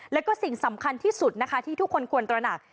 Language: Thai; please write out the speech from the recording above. แล้วก็สิ่งสำคัญที่สุดนะคะที่ทุกคนควรตระหนัก